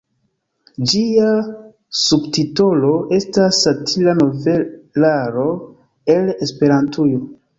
Ĝia subtitolo estas "Satira novelaro el Esperantujo".